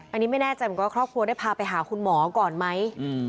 อันนี้ไม่แน่ใจเหมือนกันว่าครอบครัวได้พาไปหาคุณหมอก่อนไหม